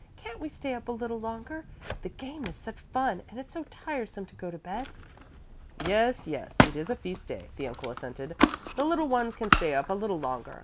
Can't we stay up a little longer? The game is such fun and it's so tiresome to go to bed." "Yes, yes, it is a feast day," the uncle assented; "the little ones can stay up a little longer.